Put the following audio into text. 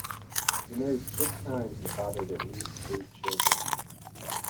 He married six times and fathered at least eight children.